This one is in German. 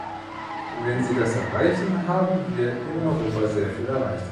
Wenn Sie das erreichen, haben wir in Europa sehr viel erreicht.